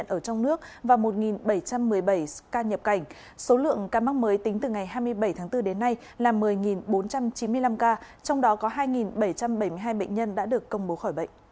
trong đó có hai bảy trăm bảy mươi hai bệnh nhân đã được công bố khỏi bệnh